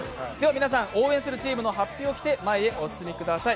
皆さん、応援するチームのはっぴを着て前にお進みください。